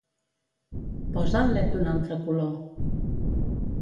Posa el led d'un altre color.